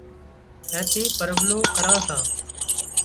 اين ٿي پرٻلوُن ڪران سان